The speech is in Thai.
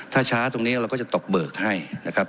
ถ้าช้าตรงนี้เราก็จะตกเบิกให้นะครับ